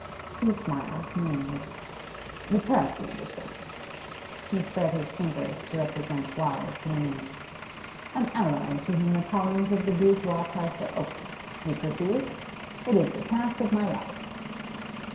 He smiled meaningly. 'The press you understand?' He spread his fingers to represent wide dominion. 'An ally to whom the columns of the bourgeois press are open you perceive? It is the task of my life.